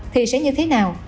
thì sẽ như thế nào